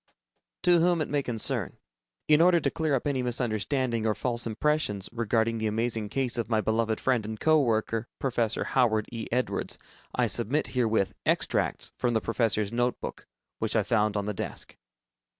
_ To Whom It May Concern: In order to clear up any misunderstanding or false impressions regarding the amazing case of my beloved friend and co worker, Professor Howard E. Edwards, I submit herewith, extracts from the professor's notebook, which I found on the desk.